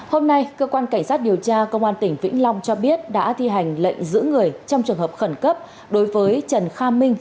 hôm nay cơ quan cảnh sát điều tra công an tỉnh vĩnh long cho biết đã thi hành lệnh giữ người trong trường hợp khẩn cấp đối với trần kha minh